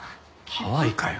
ハワイかよ。